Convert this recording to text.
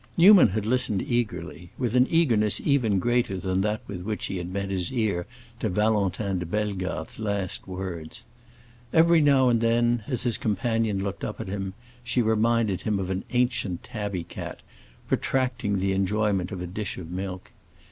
Newman had listened eagerly—with an eagerness greater even than that with which he had bent his ear to Valentin de Bellegarde's last words. Every now and then, as his companion looked up at him, she reminded him of an ancient tabby cat, protracting the enjoyment of a dish of milk.